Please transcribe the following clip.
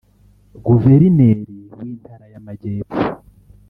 Guverineri w’Intara y’Amajyepfo